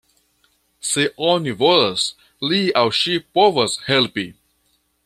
Se oni volas, li aŭ ŝi povas helpi.